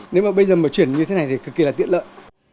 nếu mà bây giờ mà chuyển như thế này thì cực kỳ là tiện lợi